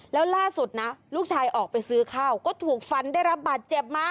แล้วล่าสุดนะลูกชายออกไปซื้อข้าวก็ถูกฟันได้รับบาดเจ็บมา